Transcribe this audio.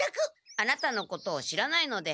アナタのことを知らないので。